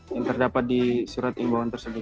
yang terdapat di surat imbauan tersebut